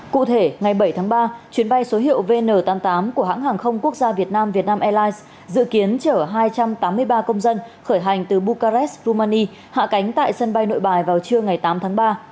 cụ thể ngày bảy tháng ba chuyến bay số hiệu vn tám mươi tám của hãng hàng không quốc gia việt nam vietnam airlines dự kiến chở hai trăm tám mươi ba công dân khởi hành từ bucarest rumani hạ cánh tại sân bay nội bài vào trưa ngày tám tháng ba